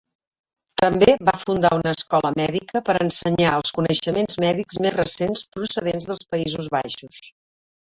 També va fundar una escola mèdica per ensenyar els coneixements mèdics més recents procedents dels Països Baixos.